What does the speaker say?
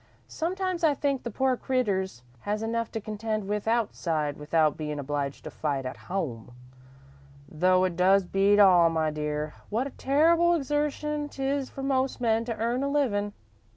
Sometimes I think the poor creeters has enough to contend with outside without bein' obliged to fight at home, though it does beat all, my dear, what a terrible exertion 't is for most men to earn a livin'.